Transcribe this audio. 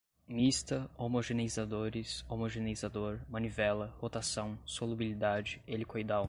mista, homogeneizadores, homogeneizador, manivela, rotação, solubilidade, helicoidal